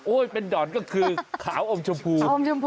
โอ้ยเป็นดอนก็คือขาวอมชมพู